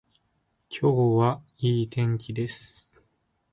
今日は良い天気です